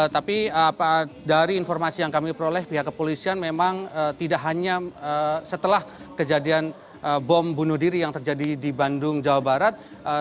tapi dari informasi yang kami peroleh pihak kepolisian memang tidak hanya setelah kejadian bom bunuh diri yang terjadi di bandung jawa barat